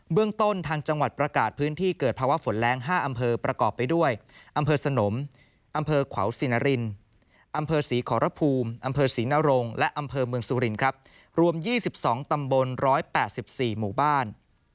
เรื่องต้นทางจังหวัดประกาศพื้นที่เกิดภาวะฝนแรง๕อำเภอประกอบไปด้วยอำเภอสนมอำเภอขวาวสินรินอำเภอศรีขอรภูมิอำเภอศรีนรงค์และอำเภอเมืองสุรินครับรวม๒๒ตำบล๑๘๔หมู่บ้าน